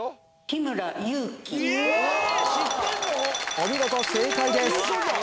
お見事正解です